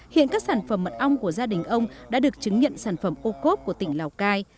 hiện các sản phẩm mật ong của gia đình ông đã được chứng nhận sản phẩm ô cốp của tỉnh lào cai